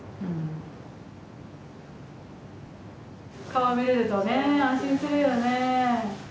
顔見れるとね安心するよね。